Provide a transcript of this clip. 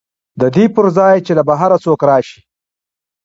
د دې پر ځای چې له بهر څوک راشي